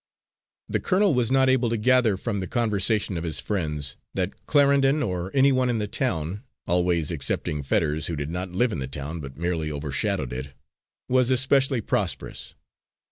The colonel was not able to gather, from the conversation of his friends, that Clarendon, or any one in the town always excepting Fetters, who did not live in the town, but merely overshadowed it was especially prosperous.